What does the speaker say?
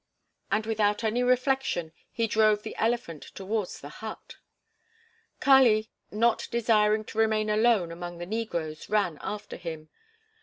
And without any reflection he drove the elephant towards the hut. Kali, not desiring to remain alone among the negroes, ran after him.